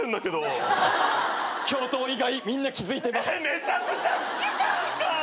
めちゃくちゃ好きじゃんか！